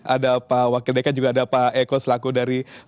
ada pak wakil dki juga ada pak eko selaku dari